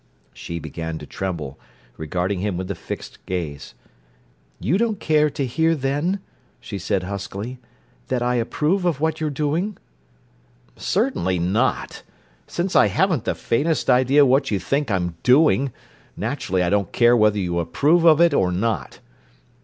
She began to tremble, regarding him with a fixed gaze. "You don't care to hear then," she said huskily, "that I approve of what you're doing?" "Certainly not! Since I haven't the faintest idea what you think I'm 'doing,' naturally I don't care whether you approve of it or not.